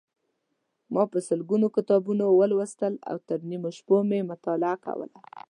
ما په سلګونو کتابونه ولوستل او تر نیمو شپو مې مطالعه کوله.